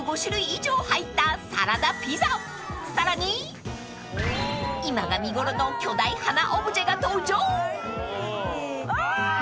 ［さらに今が見頃の巨大花オブジェが登場］